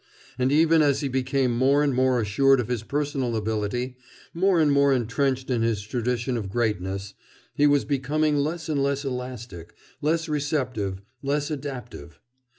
And even as he became more and more assured of his personal ability, more and more entrenched in his tradition of greatness, he was becoming less and less elastic, less receptive, less adaptive.